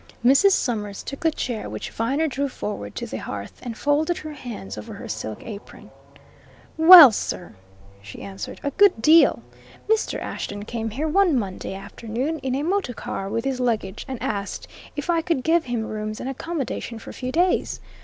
Mrs. Summers took the chair which Viner drew forward to the hearth and folded her hands over her silk apron. "Well sir," she answered, "a good deal. Mr. Ashton came here one Monday afternoon, in a motorcar, with his luggage, and asked if I could give him rooms and accommodation for a few days.